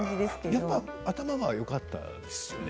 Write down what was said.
やっぱ頭はよかったですよね？